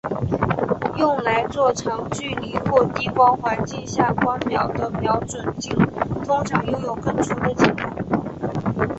用来做长距离或低光环境下观瞄的瞄准镜通常拥有更粗的镜筒。